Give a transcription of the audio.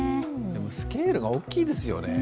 スケールが大きいですよね